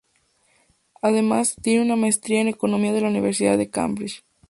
Además, tiene una maestría en Economía de la Universidad de Cambridge.